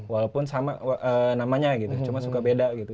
walaupun sama namanya gitu cuma suka beda gitu